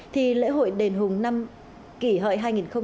thì lễ hội đền hùng năm kỷ hợi hai nghìn một mươi chín